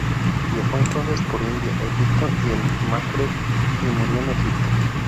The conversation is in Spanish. Viajó entonces por India, Egipto y el Magreb, y murió en Egipto.